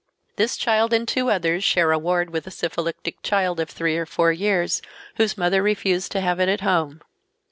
This child and two others share a ward with a syphilitic child of three or four years, whose mother refused to have it at home.